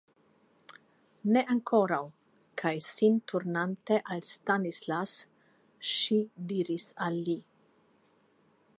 Ne ankoraŭ, kaj sin turnante al Stanislas, ŝi diris al li.